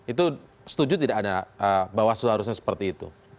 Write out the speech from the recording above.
itu setuju tidak ada bahwa seharusnya seperti itu